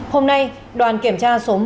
hôm nay đoàn kiểm tra số một